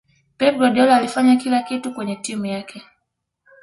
pep guardiola alifanya kila kitu kwenye timu yake